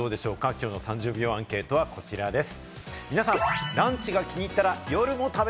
きょうの３０秒アンケートはこちらです。